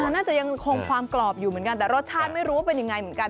น่าจะยังคงความกรอบอยู่เหมือนกันแต่รสชาติไม่รู้ว่าเป็นยังไงเหมือนกัน